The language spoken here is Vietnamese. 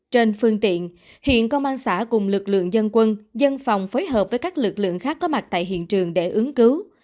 trên phương tiện hiện công an xã cùng lực lượng dân quân dân phòng phối hợp với các lực lượng khác có mặt tại hiện trường để ứng cứu